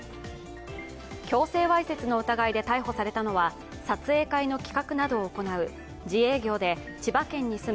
強制わいせつの疑いで逮捕されたのは撮影会の企画などを行う自営業で千葉県に住む